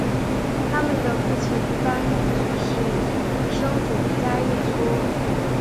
他们的父亲一般认为是生主迦叶波。